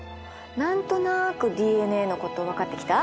何となくＤＮＡのこと分かってきた？